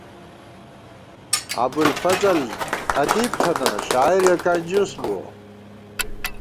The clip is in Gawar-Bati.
ابُوالفضل ادیب تھنہ ، شاعر یَہ کنجُوس بُوَہ